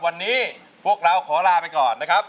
วันนี้พวกเราขอลาไปก่อนนะครับ